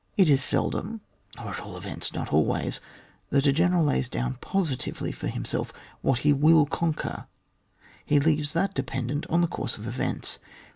It is seldom, or at all events not always, that a general lays down positively for himself what he will conquer, he leaves that dependent on the course of events.